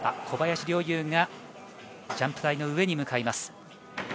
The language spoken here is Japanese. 小林陵侑がジャンプ台の上に向かいます。